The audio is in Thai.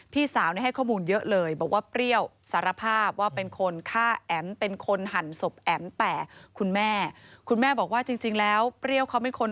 พี่สาวให้ข้อมูลเยอะเลย